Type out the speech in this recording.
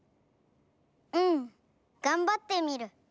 うんがんばってみる！